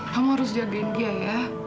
kamu harus jagain dia ya